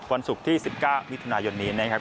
วันศุกร์ที่๑๙มิถุนายนนี้นะครับ